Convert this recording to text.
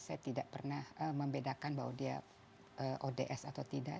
saya tidak pernah membedakan bahwa dia ods atau tidak